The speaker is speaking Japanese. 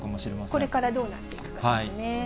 これからどうなっていくかですね。